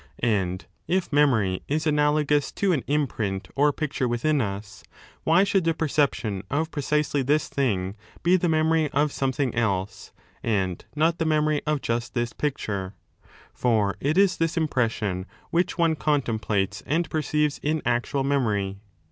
^ And if memory is analogous to an imprint or picture within us, why should the perception of precisely this thing be the memory of aomething else, and not the memory of just this picture 1 ■4 For it is this impression which one contemplates and perceives iu actual memory.